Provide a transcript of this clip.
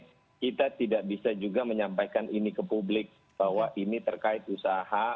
tapi kita tidak bisa juga menyampaikan ini ke publik bahwa ini terkait usaha